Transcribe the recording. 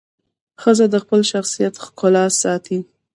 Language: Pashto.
ښځه د خپل شخصیت ښکلا ساتي.